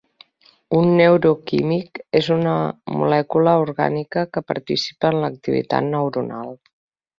Un neuroquímic és una molècula orgànica que participa en l'activitat neuronal.